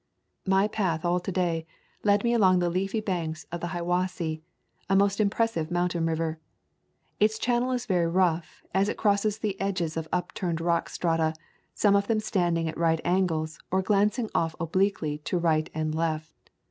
My path all to day led me along the leafy banks of the Hiwassee,? a most impressive mountain river. Its channel is very rough, as it crosses the edges of upturned rock strata, some of them standing at right angles, or glancing off obliquely to right and left.